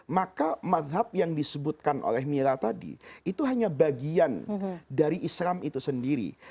maka mazhab yang disebutkan oleh mila tadi itu hanya bagian dari islam itu sendiri